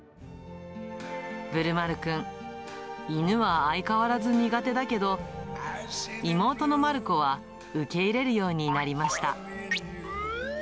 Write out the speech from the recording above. ぶるまるくん、犬は相変わらず苦手だけど、妹のまるこは受け入れるようになりました。